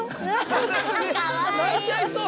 泣いちゃいそう。